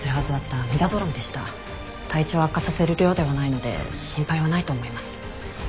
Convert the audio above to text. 体調を悪化させる量ではないので心配はないと思います。